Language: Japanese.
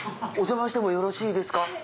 おじゃましてもよろしいですか？